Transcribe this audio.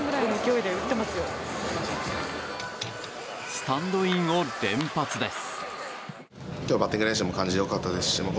スタンドインを連発です。